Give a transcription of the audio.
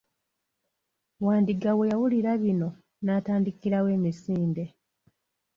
Wandiga bwe yawulira bino, n'atandikirawo emisinde.